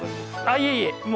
いえいえ。